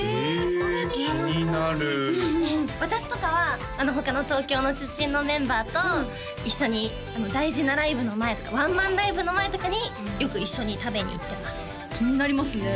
それで矢場とんえ気になる私とかは他の東京の出身のメンバーと一緒に大事なライブの前とかワンマンライブの前とかによく一緒に食べに行ってます気になりますね